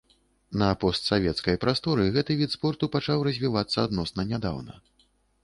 На постсавецкай прасторы гэты від спорту пачаў развівацца адносна нядаўна.